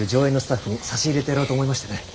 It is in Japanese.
映のスタッフに差し入れてやろうと思いましてね。